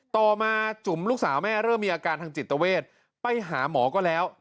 ต่อมาจุ๋มลูกสาวแม่เริ่มมีอาการทางจิตเวทไปหาหมอก็แล้ว